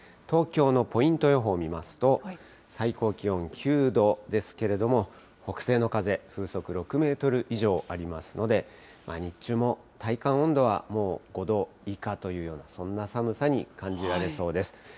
東京のポイント予報を見ますと、最高気温９度ですけれども、北西の風、風速６メートル以上ありますので、日中も体感温度はもう５度以下というような、そんな寒さに感じられそうです。